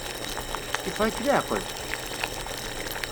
Yeffeɣ-ik leεqel?